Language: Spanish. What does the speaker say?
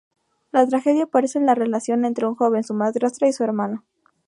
La tragedia aparece en la relación entre un joven, su madrastra y su hermano.